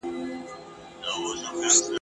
د طلا او جواهر حساب به کیږي !.